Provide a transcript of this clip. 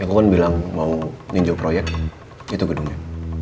aku kan bilang mau meninjau proyek itu gedungnya